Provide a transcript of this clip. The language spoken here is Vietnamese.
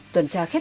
tuần tra kết thúc